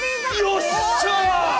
よっしゃ！